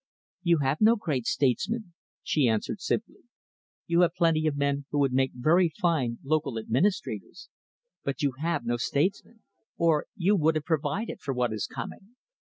"You have no great statesmen," she answered simply. "You have plenty of men who would make very fine local administrators, but you have no statesmen, or you would have provided for what is coming."